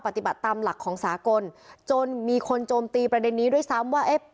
ปฏิบัติตามหลักของสากลจนมีคนโจมตีประเด็นนี้ด้วยซ้ำว่าเอ๊ะ